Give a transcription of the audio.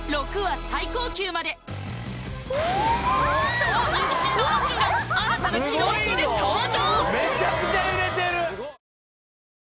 超人気振動マシンが新たな機能付きで登場！